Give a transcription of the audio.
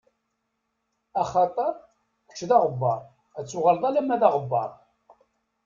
Axaṭer, kečč d aɣebbaṛ, ad tuɣaleḍ alamma d aɣebbaṛ.